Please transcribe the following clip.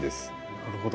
なるほど。